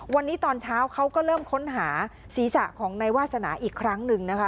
วันนี้ตอนเช้าเขาก็เริ่มค้นหาศีรษะของนายวาสนาอีกครั้งหนึ่งนะคะ